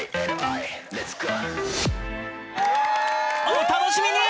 お楽しみに！